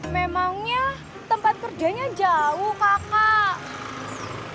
memangnya tempat kerjanya jauh kakak